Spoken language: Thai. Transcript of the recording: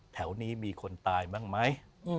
แถวนี้มีคนตายบ้างไหม